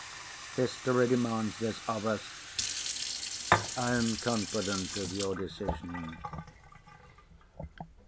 History demands this of us. I am confident of your decision.